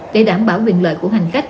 để đảm bảo vinh lợi của hành khách